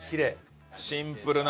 シンプルな。